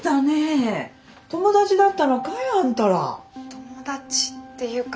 友達っていうか。